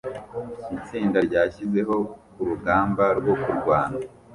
Itsinda ryashyizeho kurugamba rwo kurwana